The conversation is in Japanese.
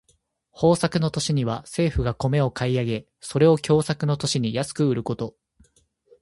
豊作の年には政府が米を買い上げ、それを凶作の年に安く売ること。